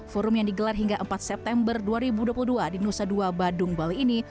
forum yang digelar hingga empat september dua ribu dua puluh dua di nusa dua badung bali ini